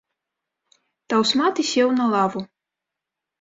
Таўсматы сеў на лаву.